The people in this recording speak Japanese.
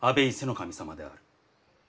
守様である。